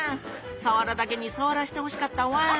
さわらだけにさわらしてほしかったわ。